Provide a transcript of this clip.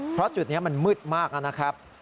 เพราะจุดนี้มันมืดมากนะครับ